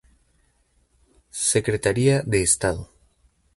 Secretaría de Estado.